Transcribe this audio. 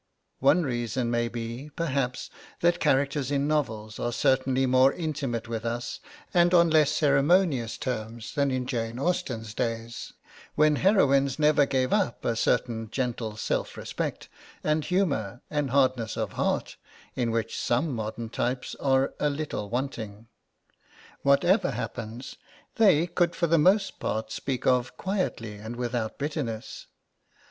One reason may be, perhaps, that characters in novels are certainly more intimate with us and on less ceremonious terms than in Jane Austen's days, when heroines never gave up a certain gentle self respect and humour and hardness of heart in which some modern types are a little wanting. Whatever happens they could for the most part speak of quietly and without bitterness.